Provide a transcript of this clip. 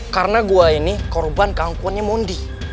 karena gue ini korban keangkuannya mondi